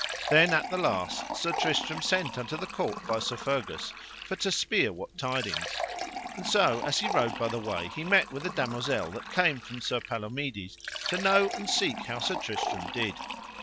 Then at the last Sir Tristram sent unto the court by Sir Fergus, for to spere what tidings. And so as he rode by the way he met with a damosel that came from Sir Palomides, to know and seek how Sir Tristram did.